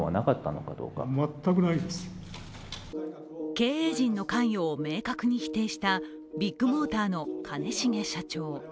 経営陣の関与を明確に否定したビッグモーターの兼重社長。